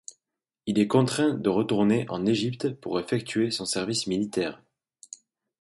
Il est contraint de retourner en Égypte pour effectuer son service militaire.